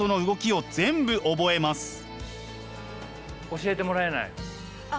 教えてもらえない？